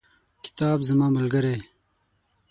کتاب زما ملګری.